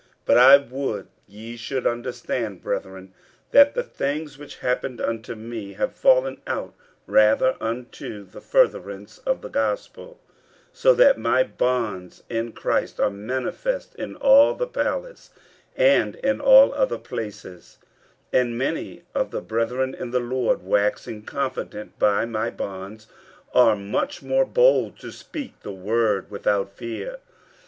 50:001:012 But I would ye should understand, brethren, that the things which happened unto me have fallen out rather unto the furtherance of the gospel; 50:001:013 So that my bonds in Christ are manifest in all the palace, and in all other places; 50:001:014 And many of the brethren in the Lord, waxing confident by my bonds, are much more bold to speak the word without fear.